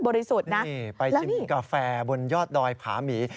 ไปชิมกาแฟบนยอดดอยผามี